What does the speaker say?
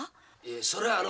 それはあの。